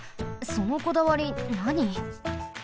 そのこだわりなに？